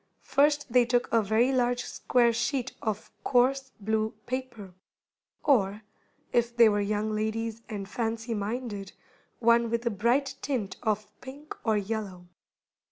First they took a very large square sheet of coarse blue paper, or, if they were young ladies and fancy minded, one with a bright tint of pink or yellow.